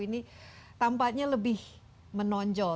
ini tampaknya lebih menonjol